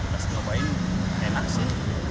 masih ngobain enak sih